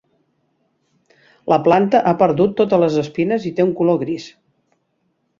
La planta ha perdut totes les espines i té un color gris.